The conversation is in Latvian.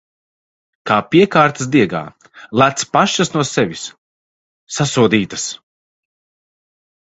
Kā piekārtas diegā... Lec pašas no sevis! Sasodītas!